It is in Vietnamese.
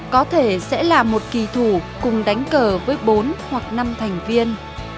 có thể sẽ là một kỳ thủ cùng đánh cờ với bốn hoặc năm thành viên